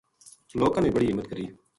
لوکاں نے بڑی ہمت کری